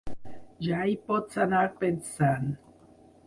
Ja hi pots anar pensant.